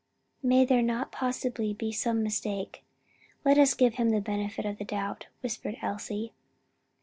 "May there not possibly be some mistake. Let us give him the benefit of the doubt," whispered Elsie.